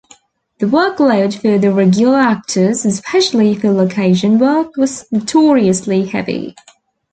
The workload for the regular actors, especially for location work, was notoriously heavy.